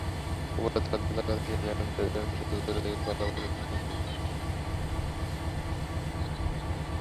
উপরের তলায় দরজার কাছে এসে জ্যাঠামশায়ের জুতোজোড়া দেখেই পালাবার উপক্রম করলে।